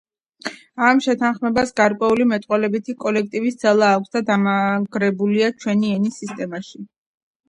ამ შეთანხმებას გარკვეული მეტყველებითი კოლექტივის ძალა აქვს და დამაგრებულია ჩვენი ენის სისტემაში.